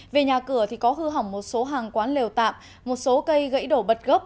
về nhà cửa thì có hư hỏng một số hàng quán lều tạm một số cây gãy đổ bật gốc